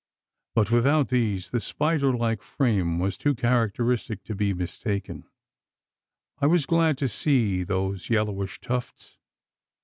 But without these, the spider like frame was too characteristic to be mistaken. I was glad to see those yellowish tufts.